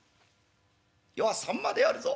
「余はさんまであるぞ」。